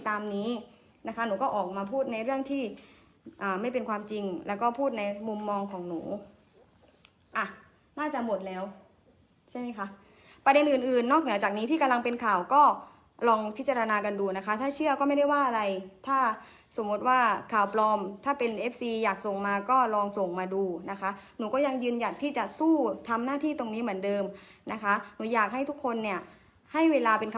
นะคะหนูก็ออกมาพูดในเรื่องที่ไม่เป็นความจริงแล้วก็พูดในมุมมองของหนูอ่ะน่าจะหมดแล้วใช่ไหมคะประเด็นอื่นอื่นนอกเหนือจากนี้ที่กำลังเป็นข่าวก็ลองพิจารณากันดูนะคะถ้าเชื่อก็ไม่ได้ว่าอะไรถ้าสมมุติว่าข่าวปลอมถ้าเป็นเอฟซีอยากส่งมาก็ลองส่งมาดูนะคะหนูก็ยังยืนหยัดที่จะสู้ทำหน้าที่ตรงนี้เหมือนเดิมนะคะหนูอยากให้ทุกคนเนี่ยให้เวลาเป็นค